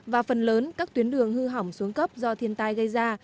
và phần lớn các tuyến đường hư hỏng xuống cấp do thiên tai gây ra